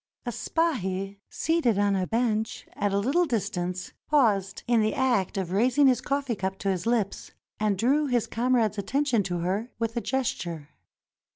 A spahi, seated on a bench at a little distance, paused in the act of raising his coffee cup to his lips, and drew his comrade's attention to her with a gesture.